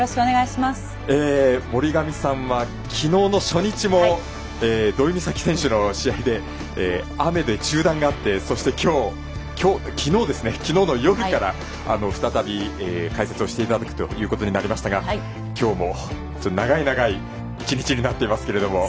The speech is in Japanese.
森上さんは、きのうの初日も土居美咲選手の試合で雨で中断があってそして、きのうの夜から再び、解説をしていただくということになりましたがきょうも長い長い１日になっていますけれども。